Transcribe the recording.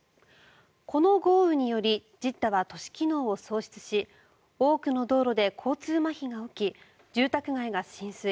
この豪雨によりジッダは都市機能を喪失し多くの道路で交通まひが起き住宅街が浸水。